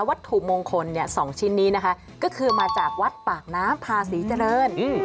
วัตถุมงคล๒ชิ้นนี้นะคะก็คือมาจากวัดปากน้ำพาศรีเจริญ